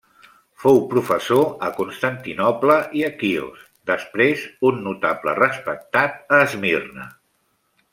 Fou professor a Constantinoble i a Quios, després un notable respectat a Esmirna.